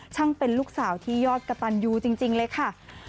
เป็นลูกสาวที่ยอดกระตันยูจริงเลยค่ะ